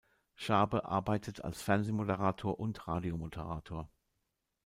Sharpe arbeitet als Fernsehmoderator und Radiomoderator.